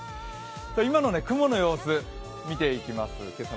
今の雲の様子見ていきます。